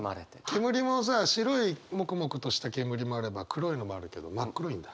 煙もさ白いモクモクとした煙もあれば黒いのもあるけど真っ黒いんだ？